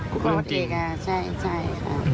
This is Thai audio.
เขาต้องกินครับใช่ครับอืม